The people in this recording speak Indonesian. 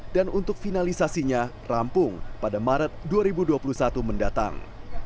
dan untuk finalisasinya rampung pada maret dua ribu dua puluh satu mendatang